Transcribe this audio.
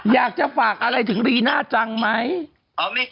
อยากจะฝากอะไรถึงรีน่าจังไหม